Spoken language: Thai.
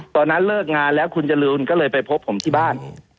ตอนนั้นเลิกงานแล้วคุณจรูนก็เลยไปพบผมที่บ้าน